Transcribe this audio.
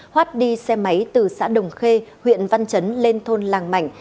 thoát đi xe máy từ xã đồng khê huyện văn chấn lên thôn làng mảnh